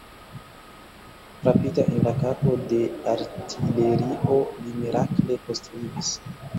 Frapita en la kapo de artilerio, li mirakle postvivis.